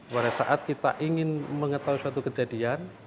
pada saat kita ingin mengetahui suatu kejadian